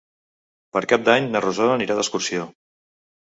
Per Cap d'Any na Rosó anirà d'excursió.